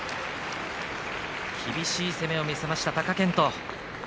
厳しい攻めを見せました、貴健斗。